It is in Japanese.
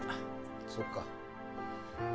そうか。